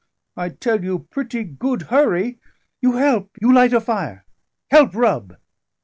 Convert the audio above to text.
I tell you pretty good hurry: you help, you light a fire, help rub."